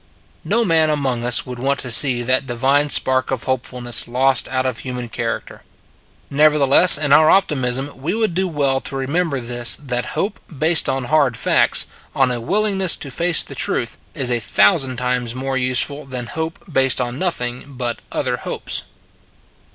No man among us would want to see that divine spark of hopefulness lost out of human character. Nevertheless in our optimism we would do well to remember this that hope based on hard facts, on a willingness to face the truth, is a thou sand times more useful than hope based on nothing but other hopes.